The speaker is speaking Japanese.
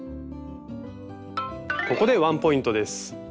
ここでワンポイントです。